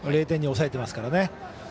０点に抑えてますからね。